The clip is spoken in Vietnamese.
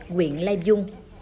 quyện lai dung